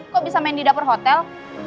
kok bisa main di dapur hotel